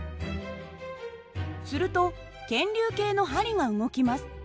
すると検流計の針が動きます。